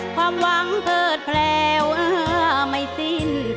ความหวังเถิดแผลวไม่สิ้น